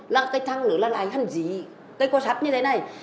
là cái thằng nữa là lại hẳn gì cái co sắt như thế này